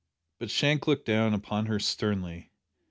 But Shank looked down upon her sternly.